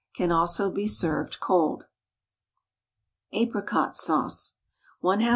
Can also be served cold. APRICOT SAUCE. 1/2 lb.